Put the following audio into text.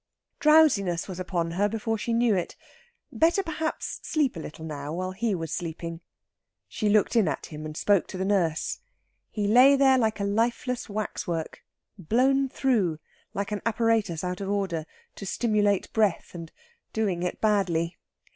Drowsiness was upon her before she knew it. Better perhaps sleep a little now, while he was sleeping. She looked in at him, and spoke to the nurse. He lay there like a lifeless waxwork blown through, like an apparatus out of order, to simulate breath, and doing it badly.